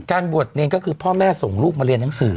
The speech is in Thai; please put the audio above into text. บวชเนรก็คือพ่อแม่ส่งลูกมาเรียนหนังสือ